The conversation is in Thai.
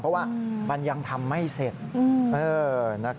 เพราะว่ามันยังทำไม่เสร็จ